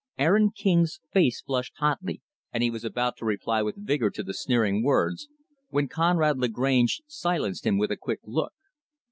Aaron King's face flushed hotly, and he was about to reply with vigor to the sneering words, when Conrad Lagrange silenced him with a quick look.